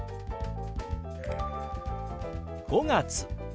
「５月」。